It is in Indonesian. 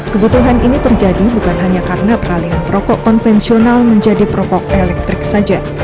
kebutuhan ini terjadi bukan hanya karena peralihan rokok konvensional menjadi perokok elektrik saja